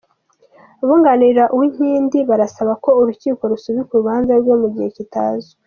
Abunganira Uwinkindi barasaba ko Urukiko rusubika urubanza rwe mu gihe kitazwi